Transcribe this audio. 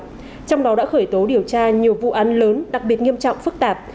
trong đó đã khởi tố điều tra nhiều vụ án lớn đặc biệt nghiêm trọng phức tạp